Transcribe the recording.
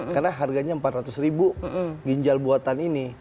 karena harganya empat ratus ribu ginjal buatan ini